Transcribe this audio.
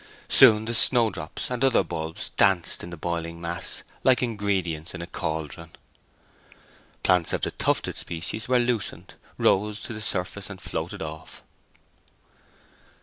Soon the snowdrop and other bulbs danced in the boiling mass like ingredients in a cauldron. Plants of the tufted species were loosened, rose to the surface, and floated off.